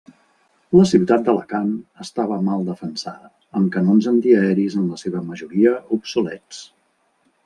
La ciutat d'Alacant estava mal defensada, amb canons antiaeris en la seva majoria obsolets.